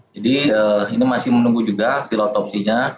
jadi ini masih menunggu juga hasil otopsinya